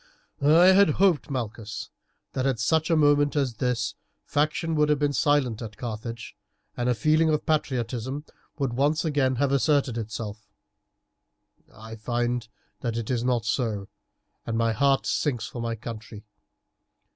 "I had hoped, Malchus, that at such a moment as this faction would have been silent at Carthage, and a feeling of patriotism would once again have asserted itself. I find that it is not so, and my heart sinks for my country.